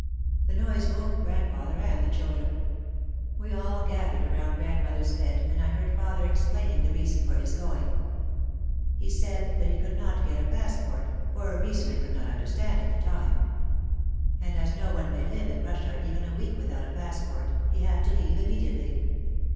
The noise woke grandfather and the children. We all gathered around grandmother's bed, and I heard father explaining the reason for his going. He said that he could not get a passport ( for a reason I could not under stand at the time). And as no one may live in Russia even a week without a passport, he had to leave immedi ately.